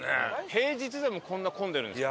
平日でもこんな混んでるんですね。